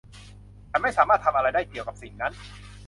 ฉันไม่สามารถทำอะไรได้เดี่ยวกับสิ่งนั้น